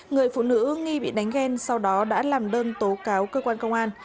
người phụ nữ nghi bị đánh ghen sau đó đã làm đơn tố cáo cơ quan công an